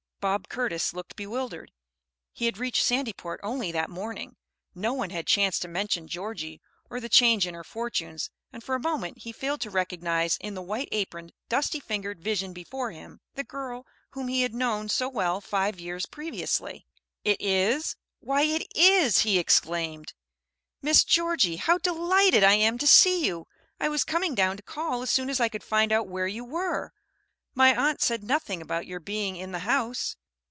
Bob Curtis looked bewildered. He had reached Sandyport only that morning. No one had chanced to mention Georgie or the change in her fortunes, and for a moment he failed to recognize in the white aproned, dusty fingered vision before him the girl whom he had known so well five years previously. "It is? why it is," he exclaimed. "Miss Georgie, how delighted I am to see you! I was coming down to call as soon as I could find out where you were. My aunt said nothing about your being in the house."